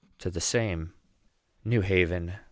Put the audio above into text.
TO THE SAME. NEW HAVEN.